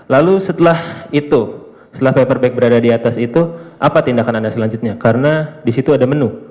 lalu setelah itu setelah paper bag berada di atas itu apa tindakan anda selanjutnya karena disitu ada menu